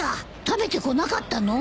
食べてこなかったの？